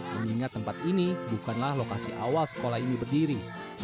mengingat tempat ini bukanlah lokasi awal sekolah ini berdiri